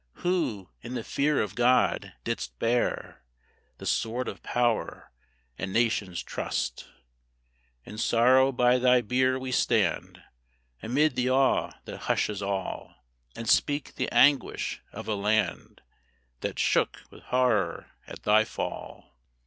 Who, in the fear of God, didst bear The sword of power, a nation's trust! In sorrow by thy bier we stand, Amid the awe that hushes all, And speak the anguish of a land That shook with horror at thy fall.